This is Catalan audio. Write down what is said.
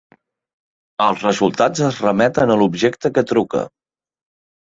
Els resultats es remeten a l'objecte que truca.